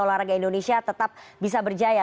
olahraga indonesia tetap bisa berjaya